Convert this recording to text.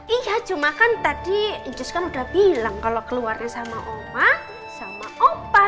iya cuma kan tadi idus kan udah bilang kalau keluarnya sama oma sama opa